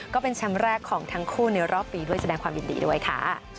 ก็เป็นแชมป์แรกของทั้งคู่ในรอบปีด้วยแสดงความยินดีด้วยค่ะ